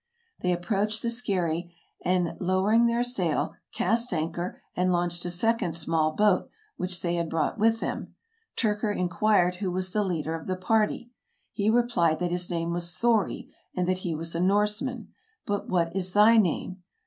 They approached the skerry, and, lowering their sail, cast anchor, and launched a second small boat, which they had brought with them. Tyrker in quired who was the leader of the party. He replied that his name was Thori, and that he was a Norseman; "but what is thy name